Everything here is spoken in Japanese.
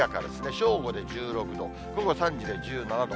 正午で１６度、午後３時で１７度。